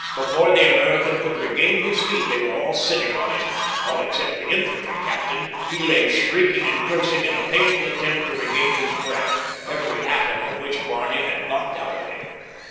Before the American could regain his feet they were all sitting on him—all except the infantry captain. He lay shrieking and cursing in a painful attempt to regain his breath, every atom of which Barney had knocked out of him.